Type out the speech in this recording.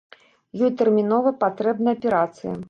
Ёй тэрмінова патрэбна аперацыя!